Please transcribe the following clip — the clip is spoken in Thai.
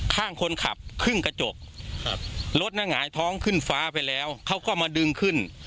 ข้างคนขับครึ่งกระจกครับรถน่ะหงายท้องขึ้นฟ้าไปแล้วเขาก็มาดึงขึ้น